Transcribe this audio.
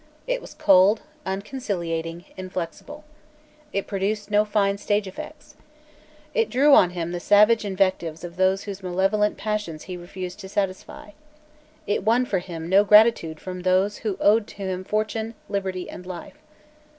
It was cold, unconciliating, inflexible. It produced no fine stage effects. It drew on him the savage invectives of those whose malevolent passions he refused to satisfy. It won for him no gratitude from those who owed to him fortune, liberty and life.